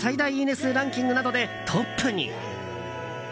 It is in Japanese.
数ランキングなどでトップに。